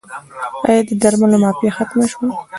آیا د درملو مافیا ختمه شوه؟